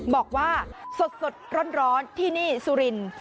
บอกว่าสดร้อนที่นี่สุรินทร์